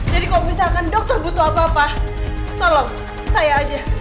jadi kalau misalkan dokter butuh apa apa tolong saya aja